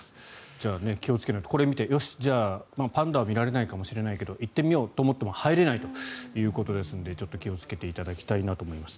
じゃあ気をつけないとこれを見てよし、パンダは見られないけど行ってみようと思っても入れないということですのでちょっと気をつけていただきたいなと思います。